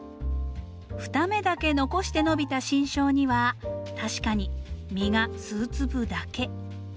２芽だけ残して伸びた新梢には確かに実が数粒だけ。